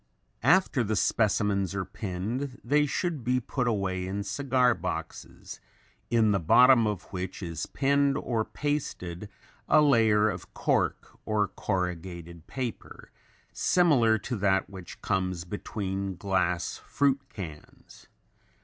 After the specimens are pinned they should be put away in cigar boxes in the bottom of which is pinned or pasted a layer of cork or corrugated paper similar to that which comes between glass fruit cans.